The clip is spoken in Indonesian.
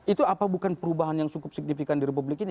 itu apa bukan perubahan yang cukup signifikan di republik ini